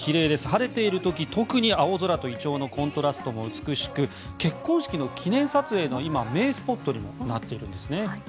晴れている時特に青空とイチョウのコントラストも美しく結婚式の記念撮影の名スポットにも今、なっているんですね。